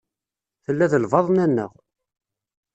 Tella d lbaḍna-nneɣ.